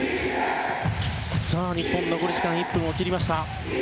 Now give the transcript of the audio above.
日本残り時間１分を切りました。